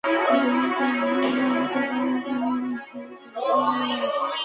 রোহন, তুমি আমার বাবা হওয়ায়, নাকি আমার গর্ভধারিণের?